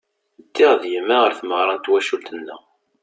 Ddiɣ d yemma ɣer tmeɣra n twacult-nneɣ.